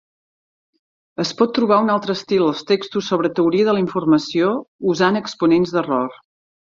Es pot trobar un altre estil als textos sobre teoria de la informació usant exponents d"error.